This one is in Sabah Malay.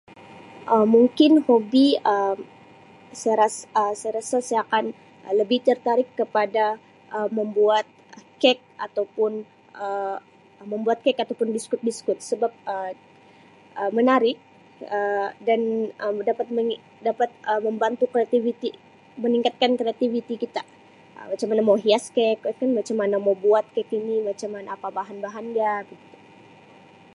Um Mungkin hobi Um saya ra- Um saya rasa saya akan lebih tertarik kepada Um membuat kek atau pun Um membuat kek atau pun biskut-biskut sebab Um menarik Um dan Um dapat mengi-dapat Um membantu kreativiti, meningkatkan kreativiti kita. Um Macam mana mau hias kek atau pun macam mana mau buat kek ini, apa bahan-bahan dia begitu